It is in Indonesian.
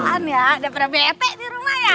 tahan ya udah pada bete di rumah ya